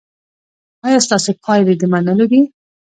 ایا ستاسو پایلې د منلو دي؟